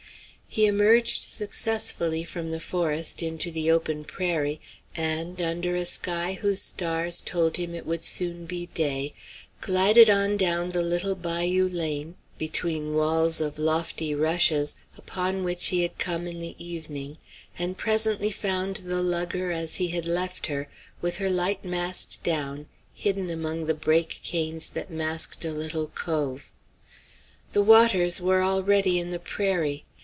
He emerged successfully from the forest into the open prairie, and, under a sky whose stars told him it would soon be day, glided on down the little bayou lane, between walls of lofty rushes, up which he had come in the evening, and presently found the lugger as he had left her, with her light mast down, hidden among the brake canes that masked a little cove. The waters were already in the prairie.